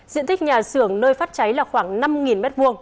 diện tích nhà xưởng nơi phát cháy là khoảng năm m hai